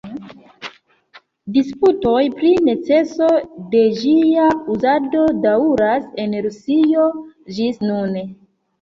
Disputoj pri neceso de ĝia uzado daŭras en Rusio ĝis nun.